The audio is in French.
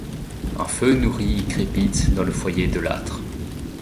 Un feu nourri y crépite dans le foyer de l'âtre.